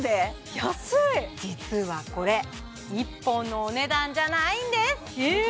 実はこれ１本のお値段じゃないんですえ！？